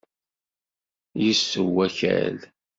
Yessew akal.